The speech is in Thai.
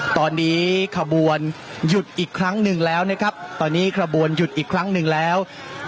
ตอนนี้ขบวนหยุดอีกครั้งหนึ่งแล้วนะครับตอนนี้ขบวนหยุดอีกครั้งหนึ่งแล้ว